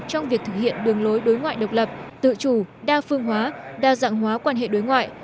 trong việc thực hiện đường lối đối ngoại độc lập tự chủ đa phương hóa đa dạng hóa quan hệ đối ngoại